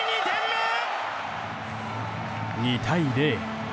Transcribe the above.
２対０。